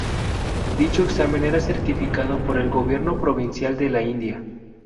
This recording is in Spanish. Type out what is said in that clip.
Dicho examen era certificado por el gobierno provincial de la India.